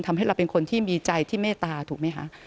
ทำให้เราเป็นคนที่มีใจที่เมตตาถูกไหมคะ